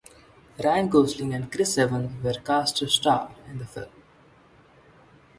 Ryan Gosling and Chris Evans were cast to star in the film.